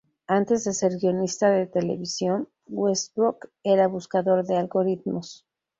Antes de ser guionista de televisión, Westbrook era buscador de algoritmos.